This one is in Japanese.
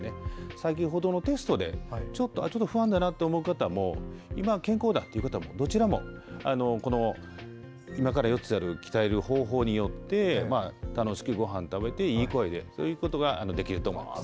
先程のテストでちょっと不安だなと思う方も今、健康だっていう方もどちらも今から４つやる鍛える方法によってまあ楽しく、ごはん食べていい声でそういうことができると思います。